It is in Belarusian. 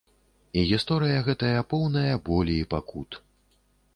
І гісторыя гэтая поўная болі і пакут.